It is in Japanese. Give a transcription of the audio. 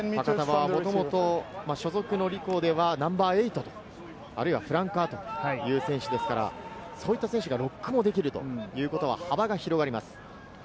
ファカタヴァはもともと所属のリコーではナンバー８、あるいはフランカーという選手ですから、そういった選手がロックもできるということは幅が広がります。